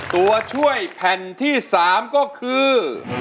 ตัวช่วยแผ่นที่๓ก็คือ